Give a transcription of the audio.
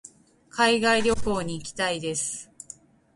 海外旅行に行きたいです。